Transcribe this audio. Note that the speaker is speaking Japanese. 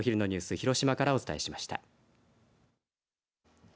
広島からお伝えしました。